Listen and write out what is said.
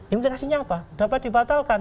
implikasinya apa dapat dibatalkan